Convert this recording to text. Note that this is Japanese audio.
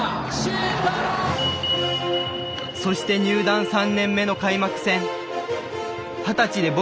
そして入団３年目の開幕戦。